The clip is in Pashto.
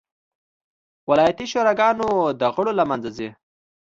ولایتي شوراګانو د غړو له منځه.